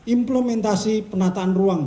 implementasi penataan ruang